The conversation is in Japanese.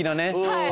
はい